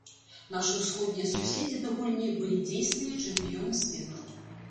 Нашы ўсходнія суседзі да гульні былі дзейсныя чэмпіёны свету.